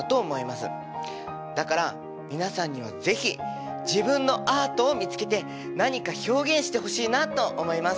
だから皆さんには是非自分のアートを見つけて何か表現してほしいなと思います。